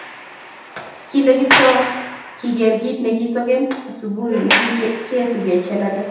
kile Kiptoo kigeer kit nekisoken asubui ne kiigeesukei Jelagat